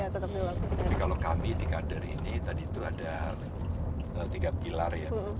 tapi kalau kami di kader ini tadi itu ada tiga pilar ya